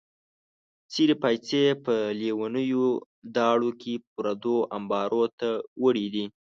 څېرې پایڅې یې په لیونیو داړو کې پردو امبارو ته وړې دي.